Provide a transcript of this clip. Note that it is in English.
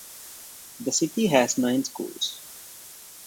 The city has nine schools.